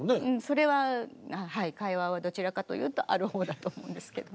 それははい会話はどちらかというとある方だと思うんですけどね。